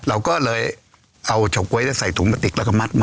เราก็เลยเอาเฉาก๊วยใส่ถุงพลาติกแล้วก็มัด